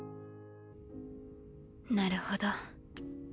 なるほど。